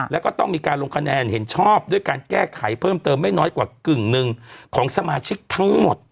แล้วก็ต้องมีการลงคะแนนเห็นชอบด้วยการแก้ไขเพิ่มเติมไม่น้อยกว่ากึ่งหนึ่งของสมาชิกทั้งหมด